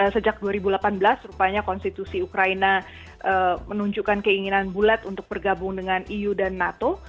sejak dua ribu delapan belas rupanya konstitusi ukraina menunjukkan keinginan bulat untuk bergabung dengan eu dan nato